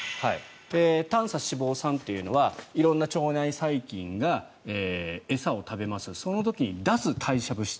短鎖脂肪酸というのは色んな腸内細菌が餌を食べますその時に出す代謝物質。